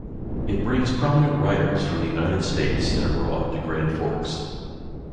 It brings prominent writers from the United States and abroad to Grand Forks.